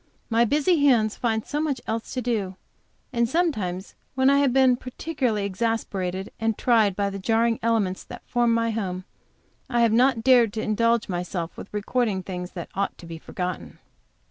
My busy hands find so much else to do. And sometimes when I have been particularly exasperated and tried by the jarring elements that form my home, I have not dared to indulge myself with recording things that ought to be forgotten.